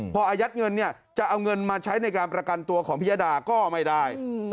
พออายัดเงินเนี่ยจะเอาเงินมาใช้ในการประกันตัวของพิยดาก็ไม่ได้